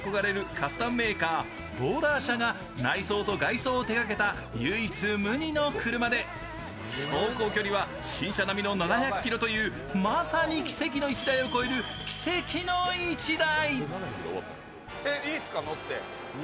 カスタムメーカーボーラー社が内装と外装を手がけた唯一無二の車で走行距離は新車並みの７００ｋｍというまさに奇跡の１台を超える季節の１台！